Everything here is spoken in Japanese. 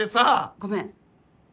ごめん。